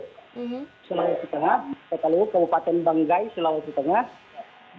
di sulawesi tengah di kota luhut keupatan banggai sulawesi tengah